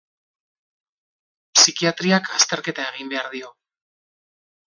Psikiatriak azterketa egin behar dio.